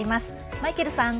マイケルさん！